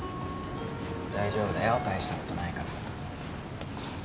大丈夫だよ大したことないから。